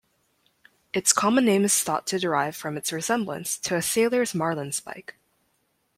Its common name is thought to derive from its resemblance to a sailor's marlinspike.